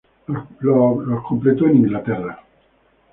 Los completó en Inglaterra.